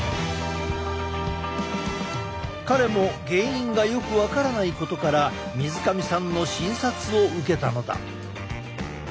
彼も原因がよく分からないことから水上さんの診察を受けたのだ。